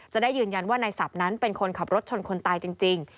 จะได้ยืนยันว่านายศัพท์นั้นเป็นคนขับรถชนคนตายจริง